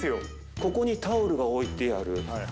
ここにタオルが置いてある。